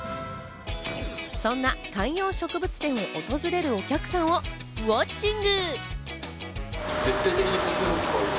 そんな観葉植物店を訪れるお客さんをウオッチング！